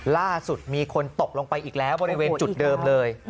ล่าสุดมีคนตกลงไปอีกแล้วบริเวณจุดเดิมเลย